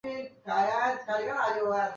他也是麒麟阁十一功臣之一。